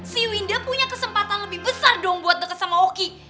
si winda punya kesempatan lebih besar dong buat deket sama oki